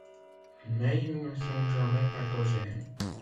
Mais ils ne sont jamais pathogènes.